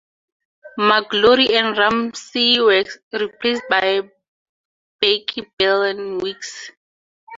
Magloire and Ramsey were replaced by Beckie Bell and WiX.